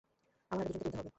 আমার আরও দুজনকে তুলতে হবে।